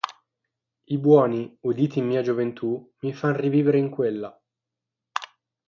I buoni, uditi in mia gioventù, mi fan rivivere in quella.